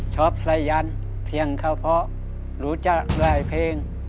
สายันเสียงเขาเพราะรู้จักหลายเพลง